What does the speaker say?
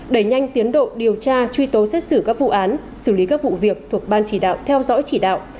đẩy nhanh tiến độ điều tra truy tố xét xử các vụ án xử lý các vụ việc thuộc ban chỉ đạo theo dõi chỉ đạo